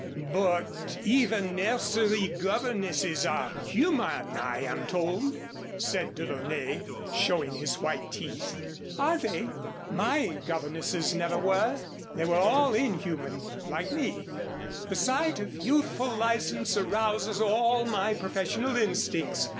"But even nursery governesses are human, I am told," said DeLaunay, showing his white teeth. "Are they? My governesses never were. They were all inhuman like me. The sight of youthful license arouses all my professional instincts.